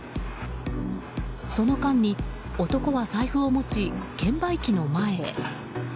その間に、男は財布を持ち券売機の前へ。